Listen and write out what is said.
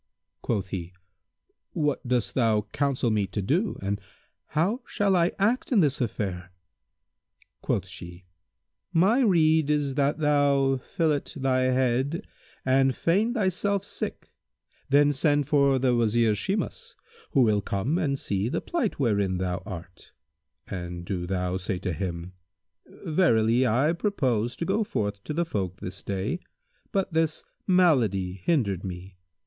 Quoth he, "What dost thou counsel me to do and how shall I act in this affair?" Quoth she, "My rede is that thou fillet thy head and feign thyself sick; then send for the Wazir Shimas, who will come and see the plight wherein thou art; and do thou say to him, 'Verily I purposed to go forth to the folk this day; but this malady hindered me.